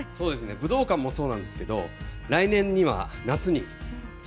武道館もそうなんですけど、来年には夏にｓ＊＊